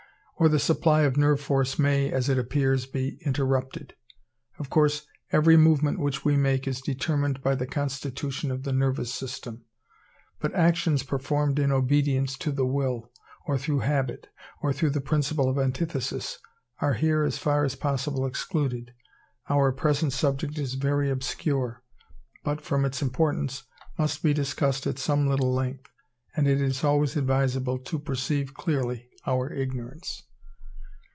Or the supply of nerve force may, as it appears, be interrupted. Of course every movement which we make is determined by the constitution of the nervous system; but actions performed in obedience to the will, or through habit, or through the principle of antithesis, are here as far as possible excluded. Our present subject is very obscure, but, from its importance, must be discussed at some little length; and it is always advisable to perceive clearly our ignorance.